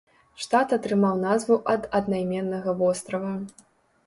Штат атрымаў назву ад аднайменнага вострава.